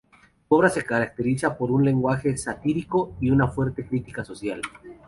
Su obra se caracteriza por un lenguaje satírico y una fuerte crítica social.